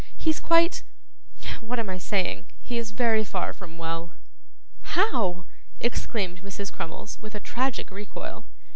He's quite what am I saying? he is very far from well.' 'How!' exclaimed Mrs. Crummles, with a tragic recoil.